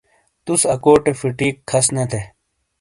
توس اکوٹے فٹیک کھس نے تھے۔